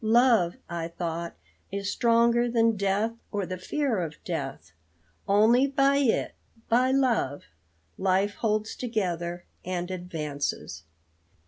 Love, I thought, is stronger than death or the fear of death. Only by it, by love, life holds together and advances.